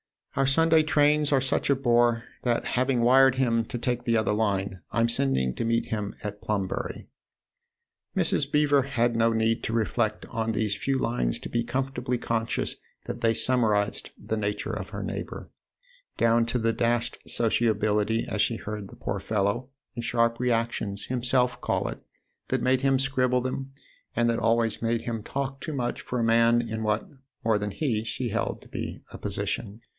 Our THE OTHER HOUSE 9 Sunday trains are such a bore that, having wired him to take the other line, I'm sending to meet him at Plumbury." Mrs. Beever had no need to reflect on these few lines to be comfortably conscious that they summarised the nature of her neighbour down to the " dashed sociability," as she had heard the poor fellow, in sharp reactions, himself call it, that had made him scribble them and that always made him talk too much for a man in what, more than he, she held to be a "position."